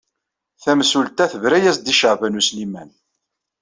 Tamsulta tebra-as-d i Caɛban U Sliman.